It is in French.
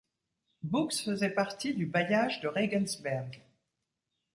Buchs faisait partie du bailliage de Regensberg.